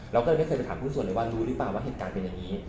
เราก็เลยไม่เคยไปถามหุ้นส่วนเลยว่ารู้หรือเปล่าว่าเหตุการณ์เป็นอย่างนี้